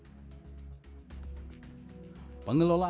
untuk inilah yang requisite lidah